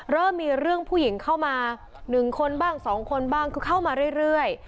เริ่มมีเรื่องผู้หญิงเข้ามา๑คนบ้าง๒คนบ้างคือเข้ามาเรื่อย